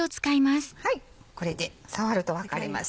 これで触ると分かります